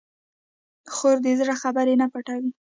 خور د زړه خبرې نه پټوي.